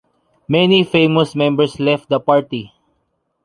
Many famous members left the party.